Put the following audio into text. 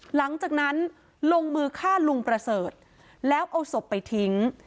หลังจากนั้นลงมือฆ่าลุงประเสริฐแล้วเอาศพไปทิ้ง